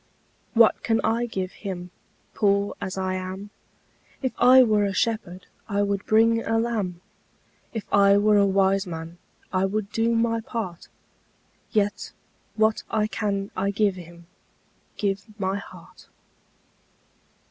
What can I give Him, Poor as I am? If I were a shepherd, I would bring a lamb; If I were a wise man, I would do my part: Yet what I can I give Him, Give my heart.